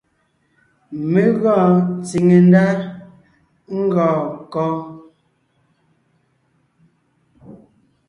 Mé gɔɔn tsìŋe ndá ngɔɔn kɔ́?